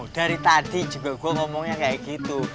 dari tadi juga gue ngomongnya kayak gitu